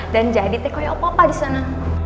dan jadi teko ya opo opo disana